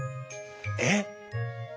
「えっ？